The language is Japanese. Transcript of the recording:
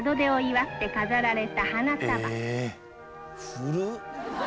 古っ。